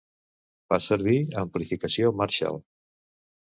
Fa servir amplificació Marshall.